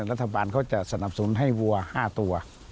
รัฐบาลเขาจะสนับสนุนให้วัว๕ตัว